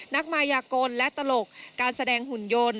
นักมายากลและตลกการแสดงหุ่นยนต์